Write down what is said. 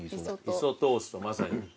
磯トーストまさに。